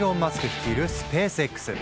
率いるスペースＸ。